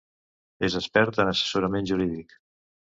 És expert en assessorament jurídic.